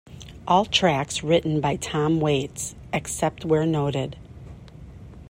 All tracks written by Tom Waits, except where noted.